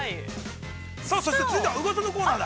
そして続いては宇賀さんのコーナーだ。